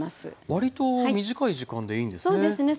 割と短い時間でいいんですね。